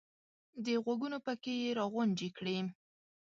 د غوږونو پکې یې را غونجې کړې !